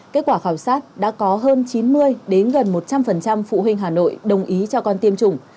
kết quả khảo sát đã có hơn chín mươi gần một trăm linh phụ huynh hà nội đồng ý cho con tiêm chủng